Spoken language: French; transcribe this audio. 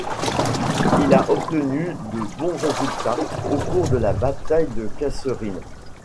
Il a obtenu de bons résultats au cours de la bataille de Kasserine.